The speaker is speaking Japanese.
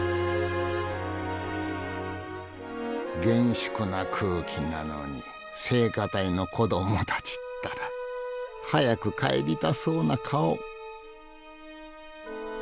厳粛な空気なのに聖歌隊の子どもたちったら早く帰りたそうな顔！